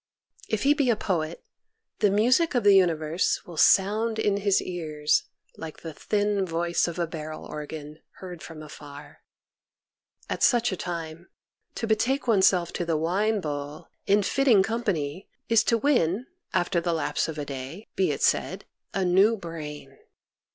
If he be a poet the music of the universe will sound in his ears like the thin voice of a barrel organ, heard from afar. At such a time, to betake oneself to the wine bowl, in fitting com pany, is to win, after the lapse of a day, be it said, a new brain.